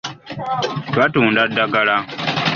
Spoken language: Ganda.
Batunda ddagala.